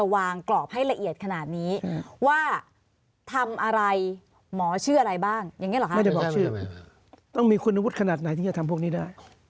ไม่ใช่ไม่ใช่ต้องมีคุณวุฒิขนาดไหนที่จะทำพวกนี้ได้